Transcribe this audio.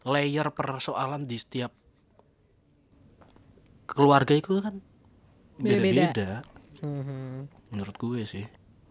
layer persoalan di setiap keluarga itu kan beda beda menurut gue sih